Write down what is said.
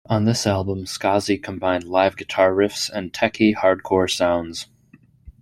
On this album Skazi combined live guitar riffs and techy hardcore sounds.